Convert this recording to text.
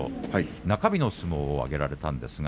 中日の相撲を挙げられましたね。